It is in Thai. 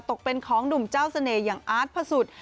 ตกเป็นของหนุ่มเจ้าเสน่ห์อย่างอาร์ตพระสุทธิ์